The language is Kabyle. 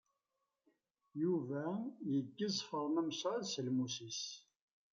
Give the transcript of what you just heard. Yuba yeggez Faḍma Mesɛud s lmus-is.